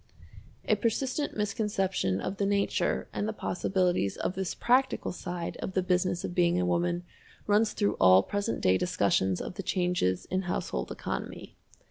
A persistent misconception of the nature and the possibilities of this practical side of the Business of Being a Woman runs through all present day discussions of the changes in household economy.